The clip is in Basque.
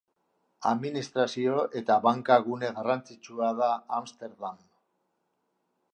Administrazio eta banka gune garrantzitsua da Amsterdam.